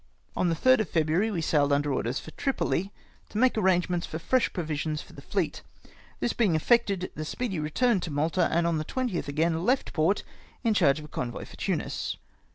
On the 3rd of February we sailed under orders for Tripoli, to make arrangements for fresh provisions for the fleet. This bemg effected, the Speedy retm^ned to Malta, and on the 20th again left port in charge of a convoy for Tunis.